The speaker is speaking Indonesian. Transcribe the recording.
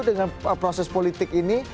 dengan proses politik ini